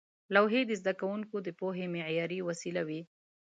لوحې د زده کوونکو د پوهې معیاري وسیله وې.